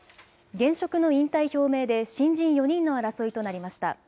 現職の引退表明で、新人４人の争いとなりました。